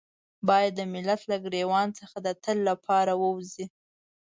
بايد د ملت له ګرېوان څخه د تل لپاره ووځي.